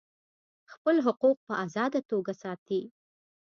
خپل حقوق په آزاده توګه ساتي.